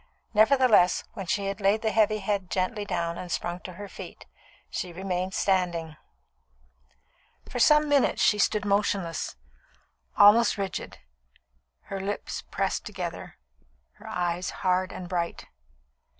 Nevertheless, when she had laid the heavy head gently down and sprung to her feet, she remained standing. For some minutes she stood motionless, almost rigid, her lips pressed together, her eyes hard and bright.